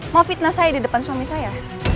mau fitnah saya di depan suami saya